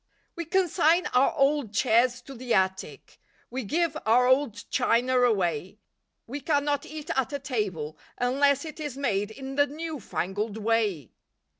We consign our old chairs to the attic, We give our old china away, We cannot eat at a table unless It is made in the "new fangled" way.